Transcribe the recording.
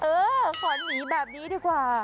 เออขอหนีแบบนี้ดีกว่า